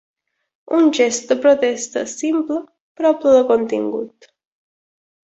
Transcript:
Un gest de protesta simple però ple de contingut.